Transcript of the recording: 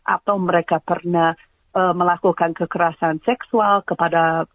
atau mereka pernah melakukan kekerasan seksual kepada